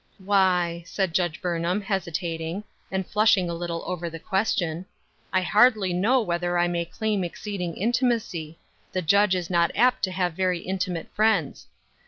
" Why," said Judge Burnham, hesitating, and flushing a little over the question, " I hardly know whether I may claim exceeding intimacy; the Judge is not apt to have very intimate friends.